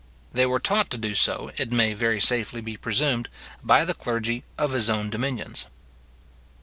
They were taught to do so, it may very safely be presumed, by the clergy of his own dominions.